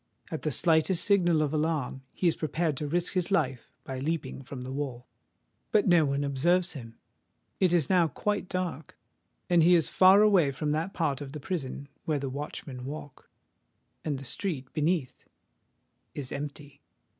At the slightest signal of alarm he is prepared to risk his life by leaping from the wall. But no one observes him: it is now quite dark;—he is far away from that part of the prison where the watchmen walk;—and the street beneath is empty.